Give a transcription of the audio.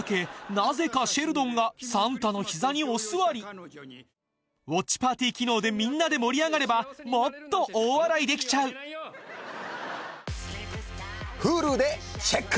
なぜかシェルドンがサンタの膝にお座りウォッチパーティ機能でみんなで盛り上がればもっと大笑いできちゃうＨｕｌｕでチェック！